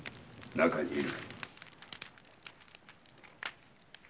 中にいる。